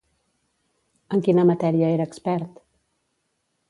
En quina matèria era expert?